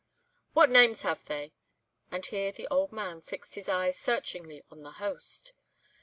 What names have they?" And here the old man fixed his eye searchingly on the host.